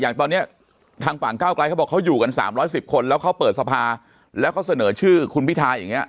อย่างตอนนี้ทางฝั่งก้าวไกลเขาบอกเขาอยู่กัน๓๑๐คนแล้วเขาเปิดสภาแล้วเขาเสนอชื่อคุณพิทาอย่างนี้